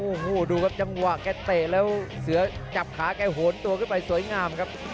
โอ้โหดูครับจังหวะแกเตะแล้วเสือจับขาแกโหนตัวขึ้นไปสวยงามครับ